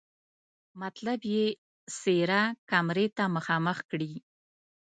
مطلب یې څېره کمرې ته مخامخ کړي.